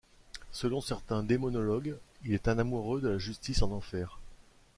Selon certains démonologues, il est un amoureux de la justice en enfer.